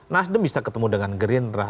nasdem bisa ketemu dengan gerindra